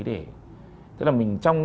để tức là mình trong